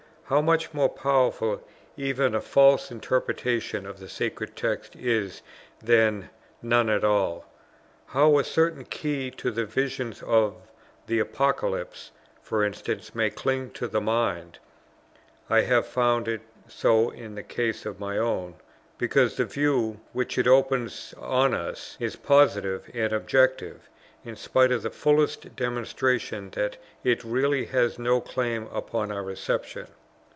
how much more powerful even a false interpretation of the sacred text is than none at all; how a certain key to the visions of the Apocalypse, for instance, may cling to the mind (I have found it so in the case of my own), because the view, which it opens on us, is positive and objective, in spite of the fullest demonstration that it really has no claim upon our reception.